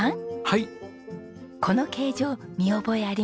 はい。